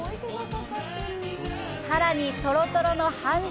さらに、とろとろの半熟